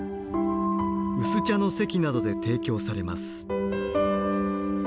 薄茶の席などで提供されます。